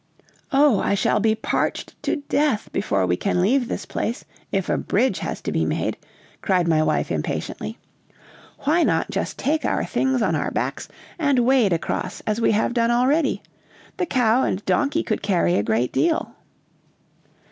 "Oh, I shall be parched to death before we can leave this place if a bridge has to be made," cried my wife impatiently. "Why not just take our things on our backs and wade across as we have done already? The cow and the donkey could carry a great deal."